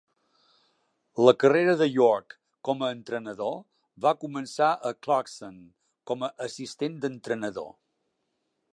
La carrera de York com a entrenador va començar a Clarkson com a assistent d'entrenador.